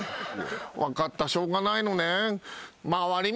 分かったしょうがないのねん。